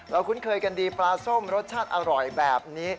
คุ้นเคยกันดีปลาส้มรสชาติอร่อยแบบนี้